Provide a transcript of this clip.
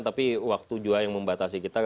tapi waktu juga yang membatasi kita